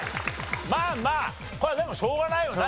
まあまあこれはでもしょうがないよな。